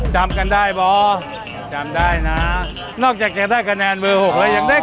จำกันได้ป่อจำได้น๊ะนอกจากจะได้ขนาดเมอร์๖แล้วอย่างได้ของกินอีก